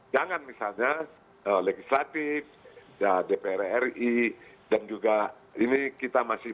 jangan misalnya legislatif dpr ri dan juga ini kita masih